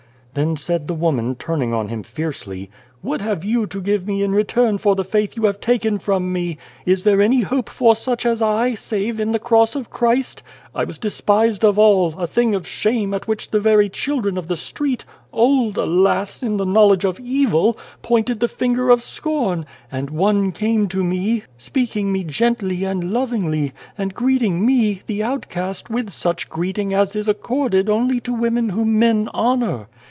Then said the woman, turning on him fiercely :" What have you to give me in return for the faith you have taken from me ? Is there any hope for such as I, save in the Cross of Christ? I was despised of all, a thing of shame at which the very children of the street old, alas ! in the knowledge of 201 The Child, the Wise Man evil pointed the finger of scorn ; and ONE came to me, speaking me gently and lovingly, and greeting me, the outcast, with such greeting as is accorded only to women whom men honour.